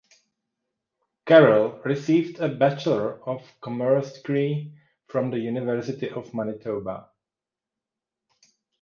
Carroll received a Bachelor of Commerce degree from the University of Manitoba.